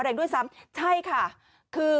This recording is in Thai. กินให้ดูเลยค่ะว่ามันปลอดภัย